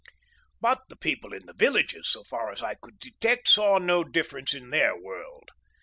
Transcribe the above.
But the people in the villages, so far as I could detect, saw no difference in their world.